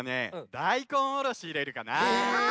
だいこんおろしいれるかなあ。